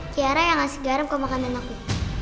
kiara yang ngasih garam ke makanan aku